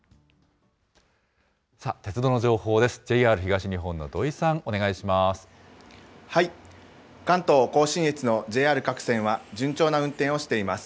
鉄道の情報です。